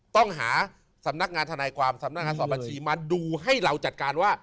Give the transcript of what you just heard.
ต้องหาสำนักงานทนายความสำนักงานสอบบัญชีมาดูให้เราจัดการว่า